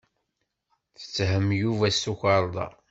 Tetthem Yuba s tukerḍa.